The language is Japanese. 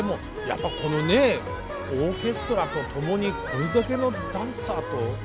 やっぱこのねオーケストラと共にこれだけのダンサーと。